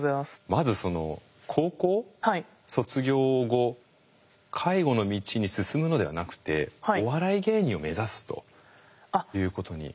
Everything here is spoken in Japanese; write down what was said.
まずその高校卒業後介護の道に進むのではなくてお笑い芸人を目指すということに。